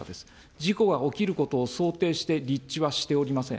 事故が起きることを想定して立地はしておりません。